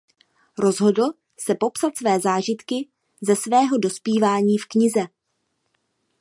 Rozhodl se popsat své zážitky ze svého dospívání v knize.